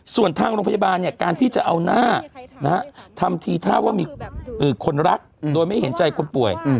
ส่วนทางโรงพยาบาลเนี่ยการที่จะเอาหน้าทำทีท่าว่ามีคนรักโดยไม่เห็นใจคนป่วย